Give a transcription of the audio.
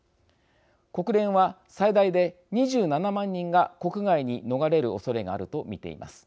国連は、最大で２７万人が国外に逃れるおそれがあると見ています。